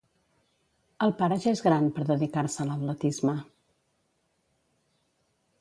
El pare ja és gran, per dedicar-se a l'atletisme.